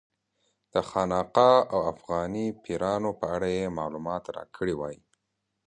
د خانقا او افغاني پیرانو په اړه یې معلومات راکړي وای.